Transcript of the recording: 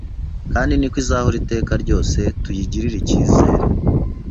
kandi niko izahora iteka ryose. Tuyigirire icyizere.